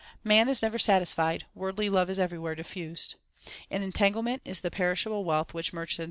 Man is never satisfied ; worldly love is everywhere diffused. 1 An entanglement is the perishable wealth which merchants amass.